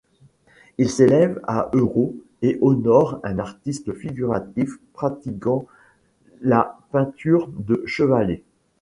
Il s'élève à € et honore un artiste figuratif pratiquant la peinture de chevalet.